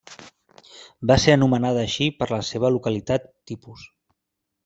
Va ser anomenada així per la seva localitat tipus.